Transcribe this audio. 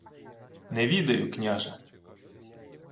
— Не відаю, княже.